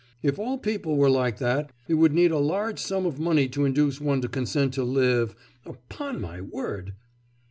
If all people were like that, it would need a large sum of money to induce one to consent to live upon my word!